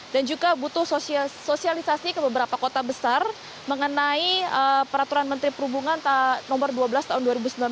dan juga butuh sosialisasi ke beberapa kota besar mengenai peraturan menteri perhubungan nomor dua belas tahun dua ribu sembilan belas